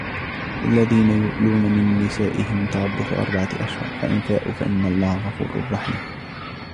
لِلَّذِينَ يُؤْلُونَ مِنْ نِسَائِهِمْ تَرَبُّصُ أَرْبَعَةِ أَشْهُرٍ فَإِنْ فَاءُوا فَإِنَّ اللَّهَ غَفُورٌ رَحِيمٌ